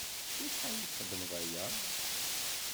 S wacḥal i txeddmeḍ aya?